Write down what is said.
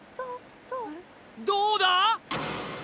どうだ？